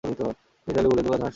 নিসার আলি বললেন, তুমি এত হাসছ কেন?